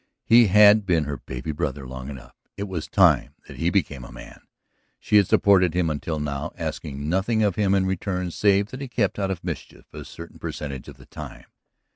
He had been her baby brother long enough; it was time that he became a man. She had supported him until now, asking nothing of him in return save that he kept out of mischief a certain percentage of the time.